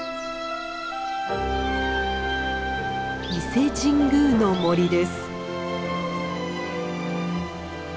伊勢神宮の森です。